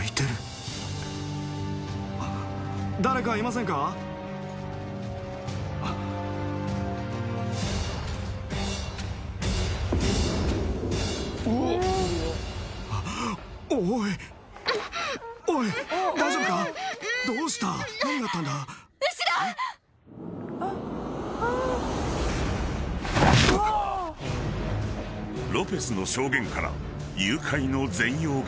［ロペスの証言から誘拐の全容が見えてきた］